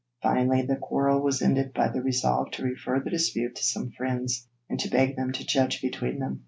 Finally the quarrel was ended by the resolve to refer the dispute to some friends and to beg them to judge between them.